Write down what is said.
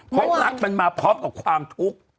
ครองภาคมันมาครอบกับความทุกข์